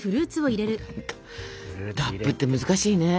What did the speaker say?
ラップって難しいね。